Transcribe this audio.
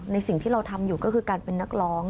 สิ่งที่เราทำอยู่ก็คือการเป็นนักร้อง